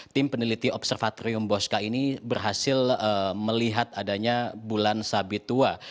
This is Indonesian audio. tim peneliti observatorium bosca ini berhasil melihat adanya bulan sabit tua